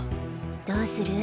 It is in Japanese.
どうする？